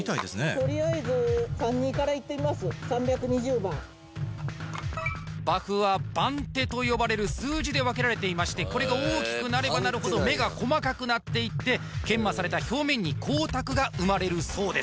とりあえずバフは番手と呼ばれる数字で分けられていましてこれが大きくなればなるほど目が細かくなっていって研磨された表面に光沢が生まれるそうです